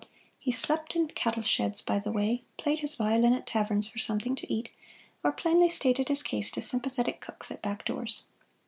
He slept in cattle sheds by the way, played his violin at taverns for something to eat, or plainly stated his case to sympathetic cooks at backdoors.